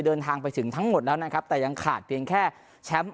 เดินทางไปถึงทั้งหมดแล้วนะครับแต่ยังขาดเพียงแค่แชมป์